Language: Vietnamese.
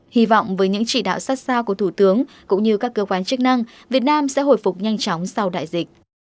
hy vọng với những chỉ đạo sát sao của thủ tướng cũng như các cơ quan chức năng việt nam sẽ hồi phục nhanh chóng sau đại dịch